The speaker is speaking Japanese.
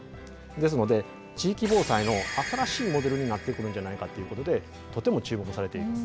ですので地域防災の新しいモデルになってくるんじゃないかっていうことでとても注目されています。